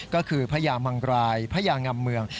ก็คือพระยามังรายพระยางำเมือง